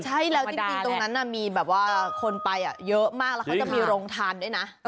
ใช่แล้วจริงตรงนั้นมีแบบว่าคนไปเยอะมากแล้วเขาจะมีโรงทานด้วยนะ